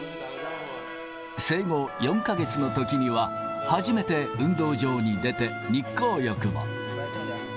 生後４か月のときには、初めて運動場に出て、日光浴も。